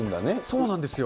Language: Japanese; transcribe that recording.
そうなんですよ。